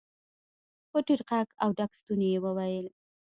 په ټيټ غږ او ډک ستوني يې وويل.